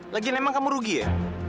lagian emang kamu rugi ya